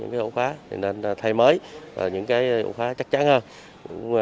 cái ổ khóa thì nên thay mới và những cái ổ khóa chắc chắn hơn